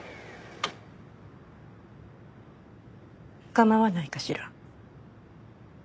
構わないかしら？